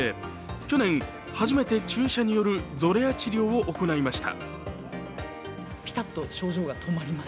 去年、初めて注射によるゾレア治療を行いました。